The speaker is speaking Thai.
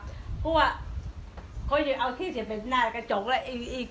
กลับมาที่สุดท้ายมีกลับมาที่สุดท้าย